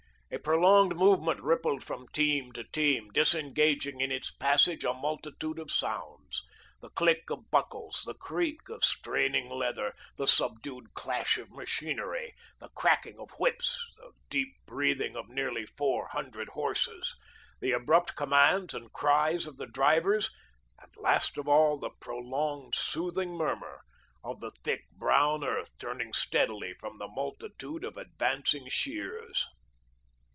A prolonged movement rippled from team to team, disengaging in its passage a multitude of sounds the click of buckles, the creak of straining leather, the subdued clash of machinery, the cracking of whips, the deep breathing of nearly four hundred horses, the abrupt commands and cries of the drivers, and, last of all, the prolonged, soothing murmur of the thick brown earth turning steadily from the multitude of advancing shears.